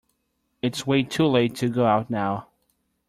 It's way too late to go out now.